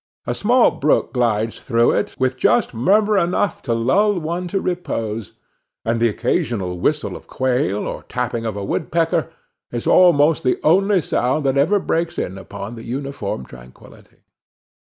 A small brook glides through it, with just murmur enough to lull one to repose; and the occasional whistle of a quail or tapping of a woodpecker is almost the only sound that ever breaks in upon the uniform tranquillity.